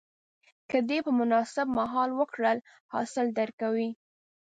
که دې په مناسب مهال وکرل، حاصل درکوي.